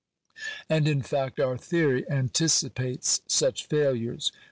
And, in fact, our theory anticipates such failures.